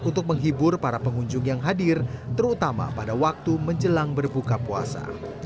untuk menghibur para pengunjung yang hadir terutama pada waktu menjelang berbuka puasa